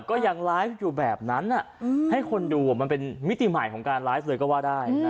ก็ยังไลฟ์อยู่แบบนั้นให้คนดูมันเป็นมิติใหม่ของการไลฟ์เลยก็ว่าได้